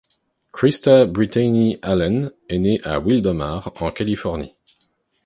Christa Brittany Allen est née à Wildomar en Californie.